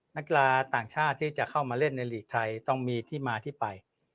นักกีฬาต่างชาติที่จะเข้ามาเล่นในหลีกไทยต้องมีที่มาที่ไป